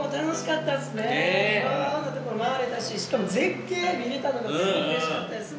いろんな所回れたししかも絶景見られたのがすごいうれしかったですね。